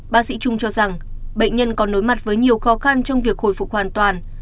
bác sĩ trung cho rằng bệnh nhân còn đối mặt với nhiều khó khăn trong việc hồi phục hoàn toàn